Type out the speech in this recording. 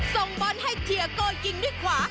ส่งบอลให้เทียโก้ยิงด้วยขวา